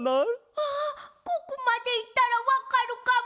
あここまでいったらわかるかも！